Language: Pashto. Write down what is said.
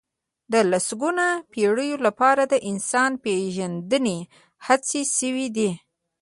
د لسګونو پېړيو لپاره د انسان پېژندنې هڅې شوي دي.